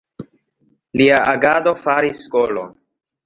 Lia agado faris skolon.